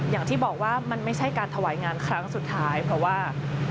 อย่างที่บอกว่ามันไม่ใช่การถวายงานครั้งสุดท้ายเพราะว่า